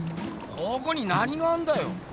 ここに何があんだよ？